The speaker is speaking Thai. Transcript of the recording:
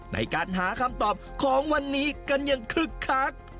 ในการหาคำตอบของวันนี้กันอย่างคึกคัก